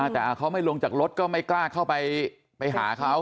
แต่เขาไม่ลงจากรถก็ไม่กล้าเข้าไปไปหาเขา